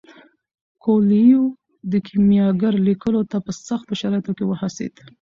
کویلیو د کیمیاګر لیکلو ته په سختو شرایطو کې وهڅید.